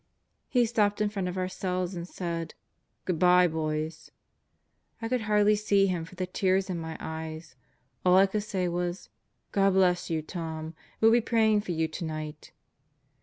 He stopped in front of our cells and said: "Good by, boys." I could hardly see him for the tears in my eyes. All I could say was: "God bless you, Tom. We'll be praying for you tonight!"